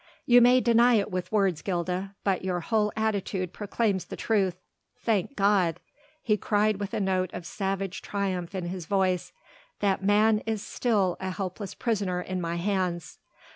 "You may deny it with words, Gilda, but your whole attitude proclaims the truth. Thank God!" he cried with a note of savage triumph in his voice, "that man is still a helpless prisoner in my hands."